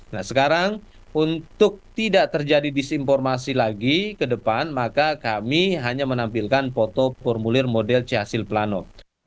nah sekarang untuk tidak terjadi disinformasi lagi ke depan maka kami hanya menampilkan foto formulir model chasil plano